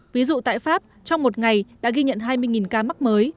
ví dụ tại pháp trong một ngày đã ghi nhận hai mươi ca mắc mới